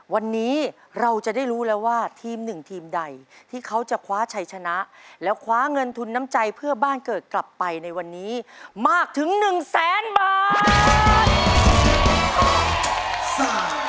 วันนี้เราจะได้รู้แล้วว่าทีมหนึ่งทีมใดที่เขาจะคว้าชัยชนะแล้วคว้าเงินทุนน้ำใจเพื่อบ้านเกิดกลับไปในวันนี้มากถึงหนึ่งแสนบาท